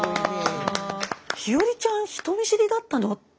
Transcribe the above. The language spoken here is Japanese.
陽葵ちゃん人見知りだったのって。